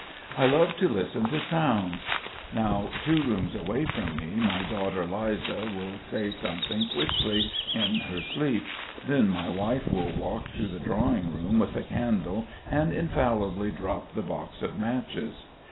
I love to listen to sounds. Now, two rooms away from me my daughter Liza will say something quickly, in her sleep; then my wife will walk through the drawing room with a candle and infallibly drop the box of matches.